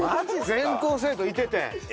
全校生徒いてて。